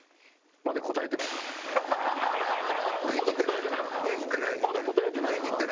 まだ答えてないよな？